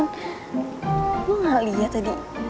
lo ga liat tadi